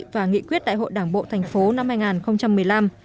và nghị quyết đại hội đảng bộ thành phố năm hai nghìn một mươi năm